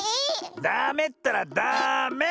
ダメったらダメ！